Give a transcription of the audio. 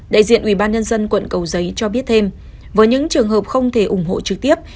đại diện ủy ban nhân dân quận cầu giấy cho biết thêm với những trường hợp không thể ủng hộ trực tiếp